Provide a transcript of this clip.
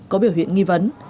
có biểu hiện nghi vấn